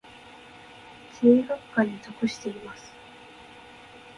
地理学科に属しています。